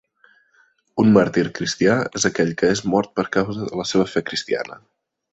Un màrtir cristià és aquell que és mort per causa de la seva fe cristiana.